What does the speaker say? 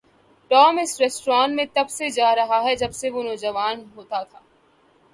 Tom اس restaurant میں تب سے جا رہا ہے جب سے وہ نوجوان ہوتا تھا۔